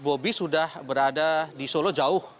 bobi sudah berada di solo jauh